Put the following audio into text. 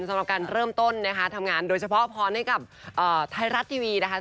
สำหรับการเริ่มต้นนะคะทำงานโดยเฉพาะพรให้กับไทยรัฐทีวีนะคะ